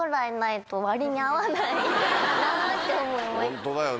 ホントだよね。